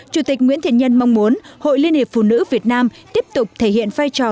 chủ tịch nguyễn thiện nhân mong muốn hội liên hiệp phụ nữ việt nam tiếp tục thể hiện vai trò